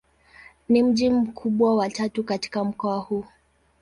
Ni mji mkubwa wa tatu katika mkoa huu.